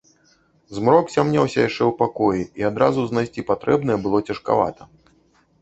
Змрок цямнеўся яшчэ ў пакоі, і адразу знайсці патрэбнае было цяжкавата.